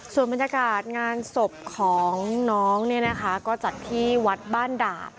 ส่วนบรรยากาศงานศพของน้องเนี่ยนะคะก็จัดที่วัดบ้านด่า